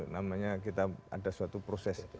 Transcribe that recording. namanya kita ada suatu proses